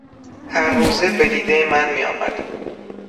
هر روزه بدیده من می آمد